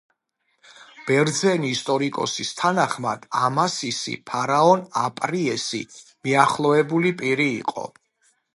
ბერძენი ისტორიკოსის თანახმად, ამასისი ფარაონ აპრიესი მიახლოვებული პირი იყო.